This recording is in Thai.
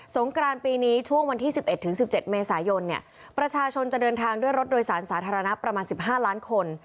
งกรานปีนี้ช่วงวันที่๑๑๑๗เมษายนประชาชนจะเดินทางด้วยรถโดยสารสาธารณะประมาณ๑๕ล้านคน